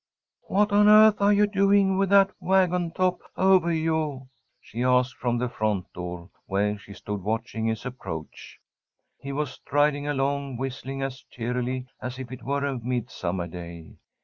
"What on earth are you doing with that wagon top ovah you?" she asked from the front door, where she stood watching his approach. He was striding along whistling as cheerily as if it were a midsummer day.